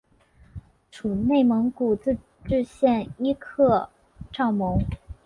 属内蒙古自治区伊克昭盟。